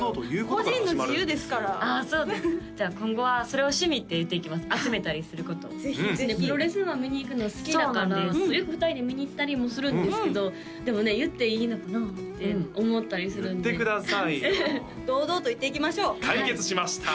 個人の自由ですからああそうですねじゃあ今後はそれを趣味って言っていきます集めたりすることプロレスも見に行くの好きだからよく２人で見に行ったりもするんですけどでもね言っていいのかなって思ったりするんで言ってくださいよ堂々と言っていきましょう解決しました